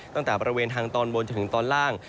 ตั้งแต่บริเวณทางตอนบนจนถึงตอนล่าง